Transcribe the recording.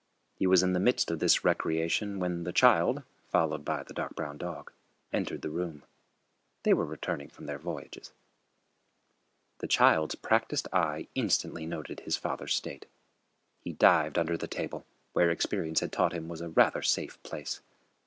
He was in the midst of this recreation when the child, followed by the dark brown dog, entered the room. They were returning from their voyages. The child's practised eye instantly noted his father's state. He dived under the table, where experience had taught him was a rather safe place.